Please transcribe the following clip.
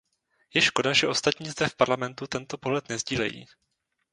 Je škoda, že ostatní zde v Parlamentu tento pohled nesdílejí.